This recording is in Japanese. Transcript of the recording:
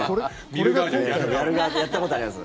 そうやったことがあります。